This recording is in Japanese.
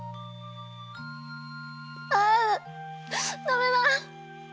あダメだ！